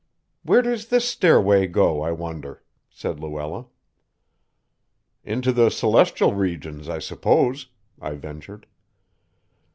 "Where does this stairway go, I wonder?" said Luella. "Into the celestial regions, I suppose," I ventured.